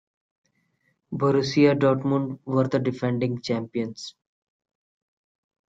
Borussia Dortmund were the defending champions.